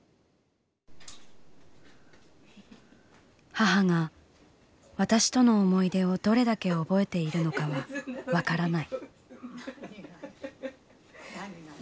「母が私との思い出をどれだけ覚えているのかは分からない」。